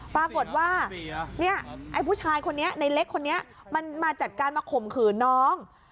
ปรากฏว่าเนี่ยไอ้ผู้ชายคนนี้ในเล็กคนนี้มันมาจัดการมาข่มขืนน้อง